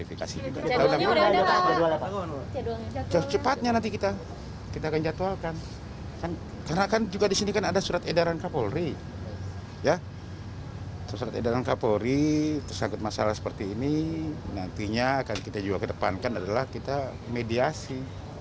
ini nantinya akan kita juga kedepankan adalah kita mediasi